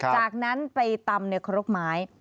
จากนั้นไปตำในครกไม้